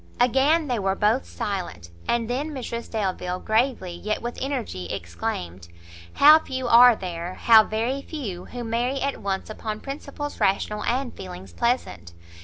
Again they were both silent; and then Mrs Delvile, gravely, yet with energy exclaimed, "How few are there, how very few, who marry at once upon principles rational, and feelings pleasant!